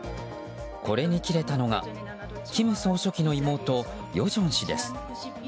これにキレたのが金総書記の妹与正氏です。